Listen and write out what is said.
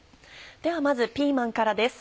ではまずピーマンからです。